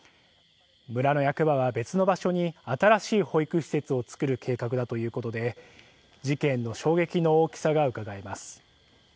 村の役場は別の場所に新しい保育施設を造る計画だということで事件の衝撃の大きさがうかがえます。